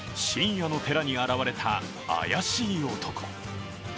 深夜の寺に現れた怪しい男。